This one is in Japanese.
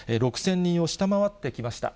６０００人を下回ってきました。